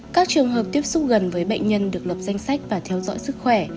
các trường hợp tiếp xúc gần với bệnh nhân được lập danh sách và theo dõi sức khỏe